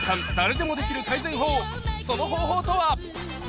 その方法とは？